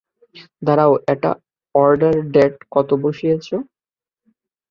দাঁড়াও, এটার order date কত বসিয়েছ?